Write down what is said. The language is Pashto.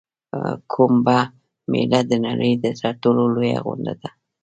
کومبه میله د نړۍ تر ټولو لویه غونډه ده.